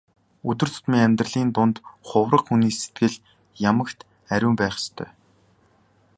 Өдөр тутмын амьдралын дунд хувраг хүний сэтгэл ямагт ариун байх ёстой.